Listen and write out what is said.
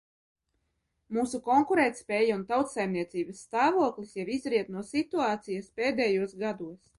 Mūsu konkurētspēja un tautsaimniecības stāvoklis jau izriet no situācijas pēdējos gados.